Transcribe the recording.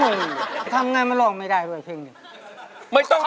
เพลงนี้อยู่ในอาราบัมชุดแรกของคุณแจ็คเลยนะครับ